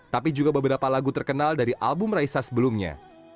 tapi juga beberapa lagu terkenal dari album raisa sebelumnya